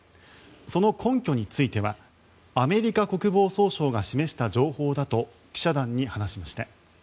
その根拠についてはアメリカ国防総省が示した情報だと記者団に話しました。